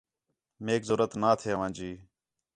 میک ضرورت نا تھے آوانجی